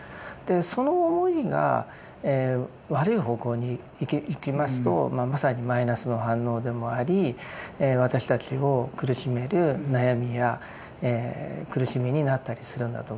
その思いが悪い方向にいきますとまさにマイナスの反応でもあり私たちを苦しめる悩みや苦しみになったりするんだと思います。